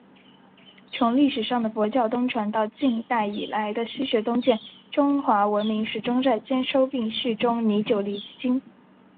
从历史上的佛教东传……到近代以来的“西学东渐”……中华文明始终在兼收并蓄中历久弥新。